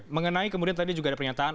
mengenai kemudian tadi juga ada pernyataan